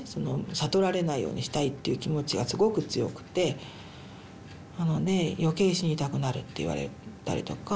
悟られないようにしたいっていう気持ちがすごく強くてなので余計死にたくなるって言われたりとか。